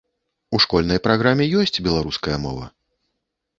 У школьнай праграме ёсць беларуская мова.